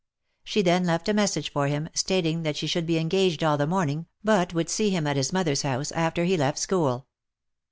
She then left a message for him, stating that she should be engaged all the morning, but would see him at his mother's house, after he lef ' school.